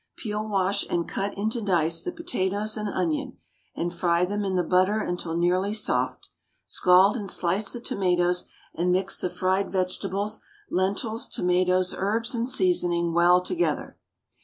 Peel, wash, and cut into dice the potatoes and onion, and fry them in the butter until nearly soft. Scald and slice the tomatoes, and mix the fried vegetables, lentils, tomatoes, herbs, and seasoning well together.